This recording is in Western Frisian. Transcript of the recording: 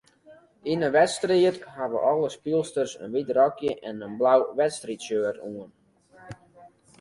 Yn 'e wedstriid hawwe alle spylsters in wyt rokje en in blau wedstriidshirt oan.